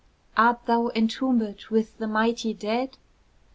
Art thou entombèd with the mighty dead?